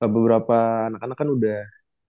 beberapa anak anak kan udah